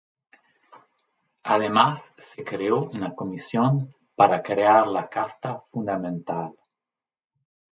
Además, se creó una comisión para crear la Carta Fundamental.